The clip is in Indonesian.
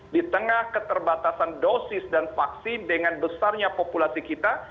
di tengah keterbatasan dosis dan vaksin dengan besarnya populasi kita